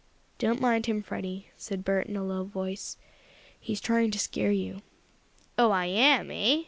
"Don't mind him, Freddie," said Bert in a low voice. "He's trying to scare you." "Oh, I am eh?"